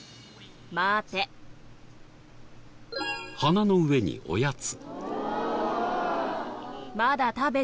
鼻の上におやつ。